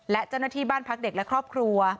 และเจ้าหน้าที่บ้านพักเด็กและครอบครัว